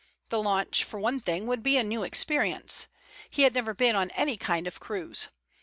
The launch, for one thing, would be a new experience. He had never been on any kind of cruise.